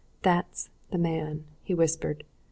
"That's the man!" he whispered.